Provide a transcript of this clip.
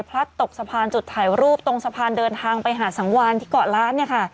พลัดตกสะพานจุดถ่ายรูปตรงสะพานเดินทางไปหาสังวานที่เกาะล้าน